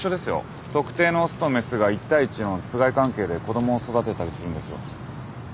特定の雄と雌が一対一のつがい関係で子供を育てたりするんですよ。